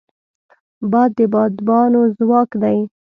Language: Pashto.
باد د بادبانو ځواک دی